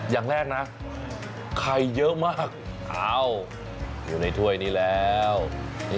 อย่างแรกนะไข่เยอะมากอ้าวอยู่ในถ้วยนี้แล้ว